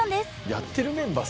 やってるメンバー